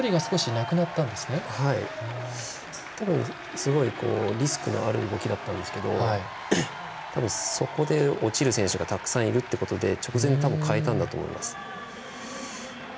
すごいリスクのある動きだったんですけど多分、そこで落ちる選手がたくさんいるっていうことで直前で、たぶん変えたんだと思います。